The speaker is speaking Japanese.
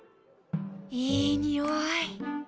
いいにおい。